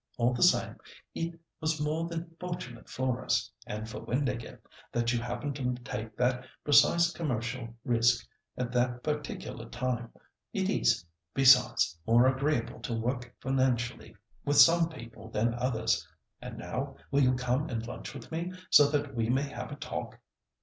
All the same, it was more than fortunate for us, and for Windāhgil, that you happened to take that precise commercial risk at that particular time. It is, besides, more agreeable to work financially with some people than others. And now, will you come and lunch with me, so that we may have a talk?"